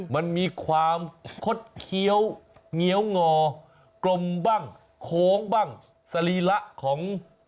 มันมีความคดเคี้ยวเงี้ยวงอกลมบ้างโค้งบ้างสรีระของ